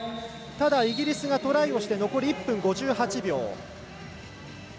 イギリスがトライをして残り１分５８秒。